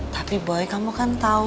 tapi boy kamu kan tahu